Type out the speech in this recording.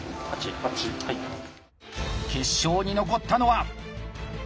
決勝に残ったのは。